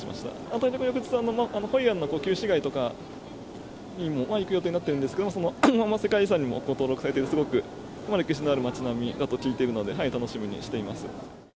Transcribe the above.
対戦の翌日はホイアンの旧市街とか行く予定になっているんですけど、世界遺産にも登録されている、すごく歴史のある街並みだと聞いているので、楽しみにしています。